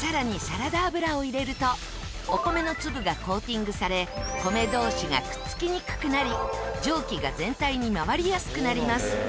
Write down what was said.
更にサラダ油を入れるとお米の粒がコーティングされ米同士がくっつきにくくなり蒸気が全体に回りやすくなります。